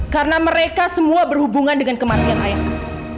karena mereka semua berhubungan dengan kematian ayahmu